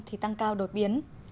thì tăng cao đổi biến